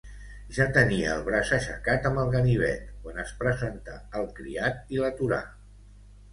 Ja tenia el braç aixecat amb el ganivet, quan es presentà el criat i l'aturà.